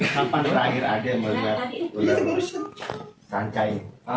sampai terakhir ada yang melihat ular sancah ini